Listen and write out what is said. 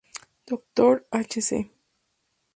Dr. h.c.